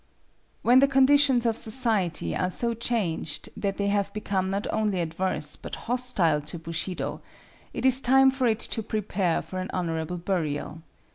When the conditions of society are so changed that they have become not only adverse but hostile to Bushido, it is time for it to prepare for an honorable burial.